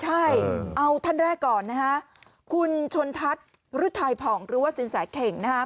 ใช่เอาท่านแรกก่อนนะฮะคุณชนทัศน์ฤทัยผ่องหรือว่าสินแสเข่งนะฮะ